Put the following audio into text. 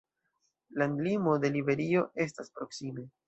Landlimo de Liberio estas proksime.